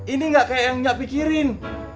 ini enggak kayak yang nya pikirin